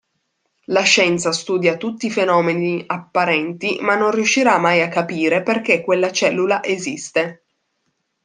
La scienza studia tutti i fenomeni apparenti ma non riuscirà mai a capire perché quella cellula esiste.